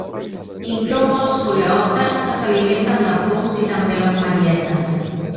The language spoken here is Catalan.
Inclou molts coleòpters que s'alimenten de fongs i també les marietes.